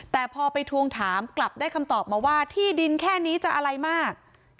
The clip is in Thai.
แต่พอไปทวงถามกลับได้คำตอบมาว่าที่ดินแค่นี้จะอะไรมาก